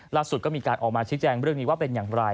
ล่าสุดก็มีการออกมาชี้แจงเรื่องนี้ว่าเป็นอย่างไร